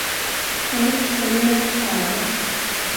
Han växte, medan han talade.